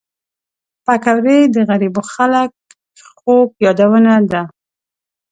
پکورې د غریبو خلک خوږ یادونه ده